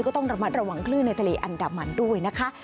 ก็ต้องระมัดระวังคลื่นในทะเลอันดามันด้วยนะคะ